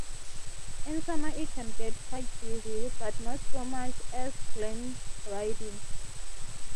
In summer it can get quite busy, but not so much as Glenridding.